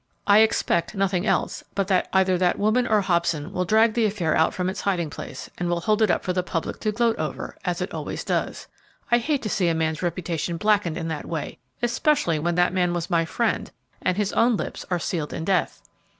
I expect nothing else but that either that woman or Hobson will drag the affair out from its hiding place, and will hold it up for the public to gloat over, as it always does. I hate to see a man's reputation blackened in that way, especially when that man was my friend and his own lips are sealed in death."